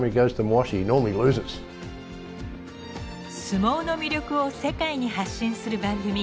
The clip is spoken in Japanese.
相撲の魅力を世界に発信する番組。